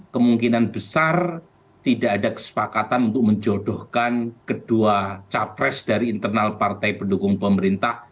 kemungkinan besar tidak ada kesepakatan untuk menjodohkan kedua capres dari internal partai pendukung pemerintah